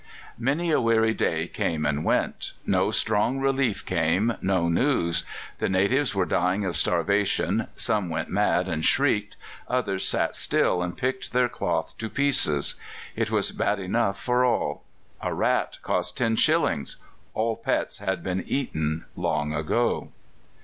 Many a weary day came and went; no strong relief came no news. The natives were dying of starvation: some went mad and shrieked; others sat still and picked their cloth to pieces. It was bad enough for all. A rat cost ten shillings; all pets had been eaten long ago.